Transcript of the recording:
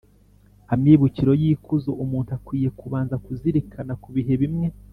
amibukiro y’ikuzo umuntu akwiye kubanza kuzirikana ku bihe bimwe